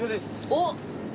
おっ！